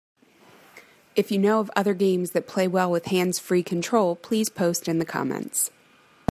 If you know of other games that play well with hands-free control, please post in the comments.